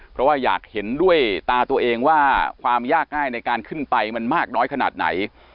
เพราะว่าอยากเห็นด้วยตาตัวเองว่าความยากง่ายในการขึ้นไปมันมากน้อยขนาดไหน